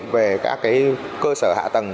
về các cái cơ sở hạ tầng